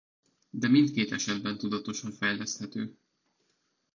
De mindkét esetben tudatosan fejleszthető.